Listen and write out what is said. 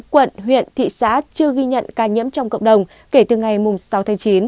một mươi chín quận huyện thị xã chưa ghi nhận ca nhiễm trong cộng đồng kể từ ngày sáu tháng chín